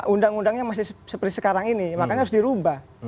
undang undangnya masih seperti sekarang ini makanya harus dirubah